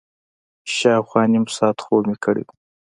شاوخوا نیم ساعت خوب مې کړی و.